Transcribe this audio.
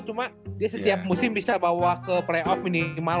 cuma dia setiap musim bisa bawa ke playoff minimal